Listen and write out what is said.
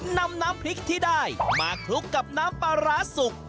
น้ำพริกที่ได้มาคลุกกับน้ำปลาร้าสุก